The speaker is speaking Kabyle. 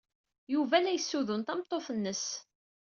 Yuba la yessudun tameṭṭut-nnes.